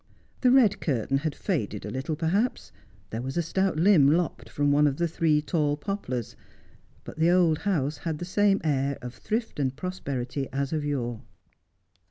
The red curtain had faded a little, perhaps ; there was a stout limb lopped from one of the three tall poplars ; but the old house had the same air of thrift and prosperity as of yore.